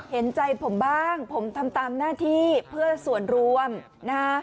เห็นใจผมบ้างผมทำตามหน้าที่เพื่อส่วนรวมนะฮะ